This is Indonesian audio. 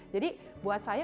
jadi buat saya